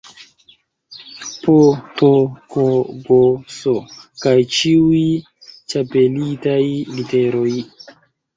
P, T, K, G, S kaj ĉiuj ĉapelitaj literoj